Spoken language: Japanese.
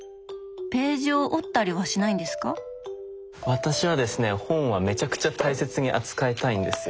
私はですね本はめちゃくちゃ大切に扱いたいんですよ。